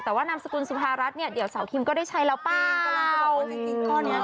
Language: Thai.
แต่ว่านามสกุลสุภารัฐเดี๋ยวเสาคิมก็ได้ใช้แล้วเปล่า